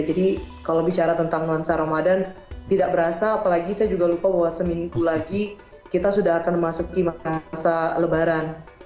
jadi kalau bicara tentang nuansa ramadan tidak berasa apalagi saya juga lupa bahwa seminggu lagi kita sudah akan masuk ke masa lebaran